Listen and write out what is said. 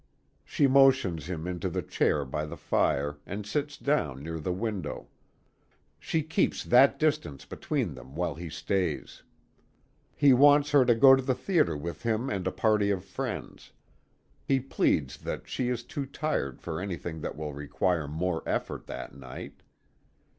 She motions him into the chair by the fire, and sits down near the window. She keeps that distance between them while he stays. He wants her to go to the theatre with him and a party of friends. He pleads that she is too tired for anything that will require more of effort, that night.